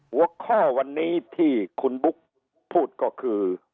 หัวข้อวันนี้ที่คุณบุ๊กพูดก็คือ